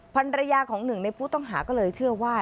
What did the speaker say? ภัณฑ์ระยะ๑ในผู้ต้องหาก็เลยเชื่อว่า